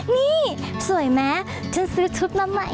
นี่สวยไหมฉันซื้อชุดน้ำใหม่